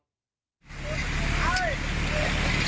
คุณผู้ชมที่อยู่ราชกระบางสัยไหมครับว่าน้ำทำไมไม่ค่อยลดฮะ